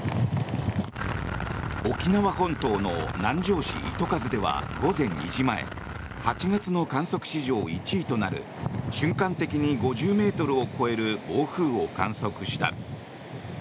沖縄本島の南城市糸数では午前２時前８月の観測史上１位となる瞬間的に５０ｍを超える暴風を観測した。